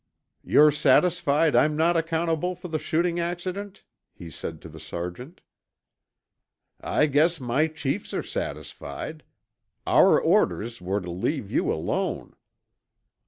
"You're satisfied I'm not accountable for the shooting accident?" he said to the sergeant. "I guess my chiefs are satisfied. Our orders were to leave you alone."